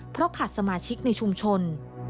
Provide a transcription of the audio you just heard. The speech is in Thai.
เพราะขาดสมาชิกในชุมชน